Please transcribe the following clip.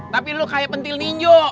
tapi lu kayak pentil ninjo